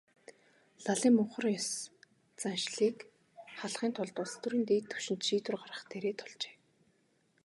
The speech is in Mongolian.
Лалын мухар ес заншлыг халахын тулд улс төрийн дээд түвшинд шийдвэр гаргах дээрээ тулжээ.